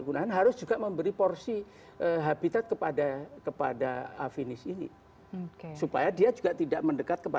apakah pengaturan perselepah itu merupakan jaluranawan pspp